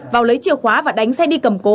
vào lấy chìa khóa và đánh xe đi cầm cố